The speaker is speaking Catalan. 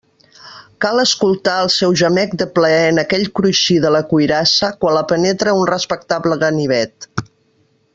Cal escoltar el seu gemec de plaer en aquell cruixir de la cuirassa quan la penetra un respectable ganivet.